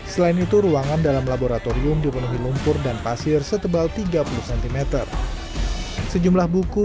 selain itu ruangan dalam laboratorium dipenuhi lumpur dan pasir setebal tiga puluh cm sejumlah buku